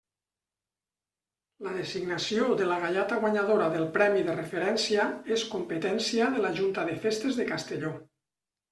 La designació de la gaiata guanyadora del premi de referència és competència de la Junta de Festes de Castelló.